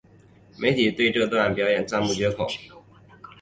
媒体对这段表演赞不绝口。